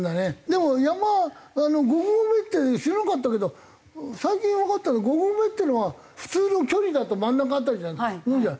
でも山５合目って知らなかったけど最近わかったのは５合目っていうのは普通の距離だと真ん中辺りだと思うじゃない？